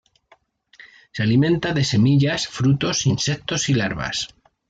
Se alimenta de semillas, frutos, insectos y larvas.